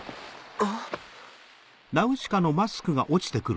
あっ！